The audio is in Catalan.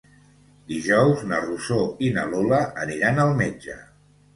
Dijous na Rosó i na Lola aniran al metge.